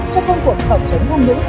trong công cuộc phạm chống tham nhũng